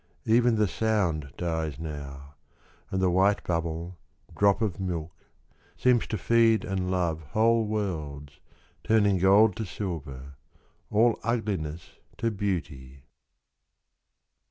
— Even the sound dies now, and the white bubble, Drop of milk, seems to feed And love whole worlds, turning gold to silver, All ugliness to beauty.